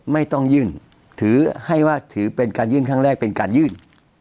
ไม่ต้องยื่นถือให้ว่าถือเป็นการยื่นครั้งแรกเป็นการยื่น